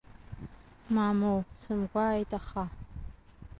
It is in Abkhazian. Моумоу, сымгәааит, аха…